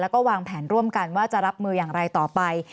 แล้วก็วางแผนร่วมกันว่าจะรับมืออย่างไรต่อไป